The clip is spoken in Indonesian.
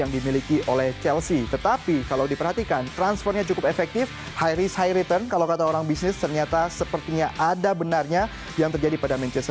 di kubu chelsea antonio conte masih belum bisa memainkan timu ibakayu